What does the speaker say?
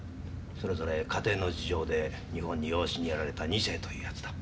それぞれ家庭の事情で日本に養子にやられた２世というやつだ。